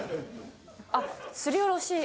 あっすりおろし。